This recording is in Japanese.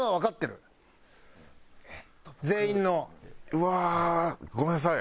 うわーごめんなさい。